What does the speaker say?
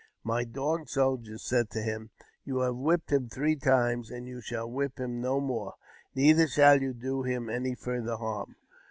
My Dog Soldiers said to him, " You have whipped him three times, and you shall whip him no more, neither shall you do him any farther harm.